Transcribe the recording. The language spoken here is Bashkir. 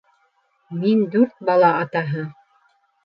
Мин дүрт бала атаһы!